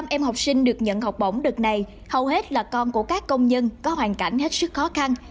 một mươi em học sinh được nhận học bổng đợt này hầu hết là con của các công nhân có hoàn cảnh hết sức khó khăn